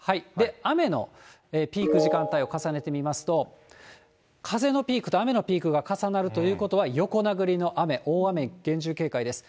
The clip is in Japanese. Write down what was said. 雨のピーク時間帯を重ねてみますと、風のピークと雨のピークが重なるということは、横殴りの雨、大雨厳重警戒です。